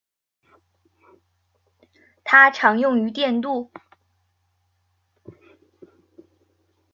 它常用于电镀。